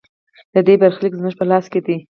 د دې برخلیک زموږ په لاس کې دی؟